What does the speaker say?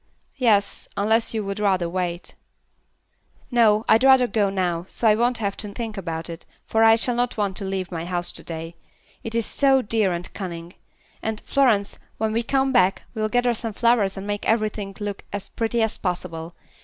"Yes, unless you would rather wait." "No, I'd rather go now, so I won't have to think about it, for I shall not want to leave my house to day; it is so dear and cunning. And, Florence, when we come back, we'll gather some flowers and make everything look as pretty as possible.